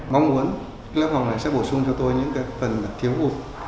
mong muốn lớp học này sẽ bổ sung cho tôi những cái phần thiếu hụt